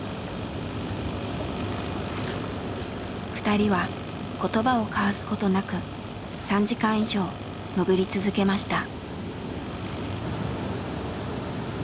２人は言葉を交わすことなく３時間以上潜り続けました。